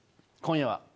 今夜は。